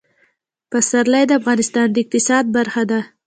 پسرلی د افغانستان د اقتصاد برخه ده.